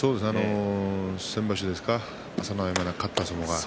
先場所ですか朝乃山に勝った相撲